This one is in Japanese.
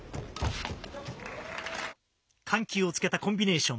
緩急をつけたコンビネーション。